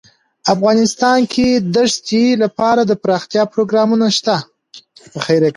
افغانستان کې د ښتې لپاره دپرمختیا پروګرامونه شته.